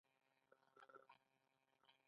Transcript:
د ایکسرې هډوکي ښه ښيي.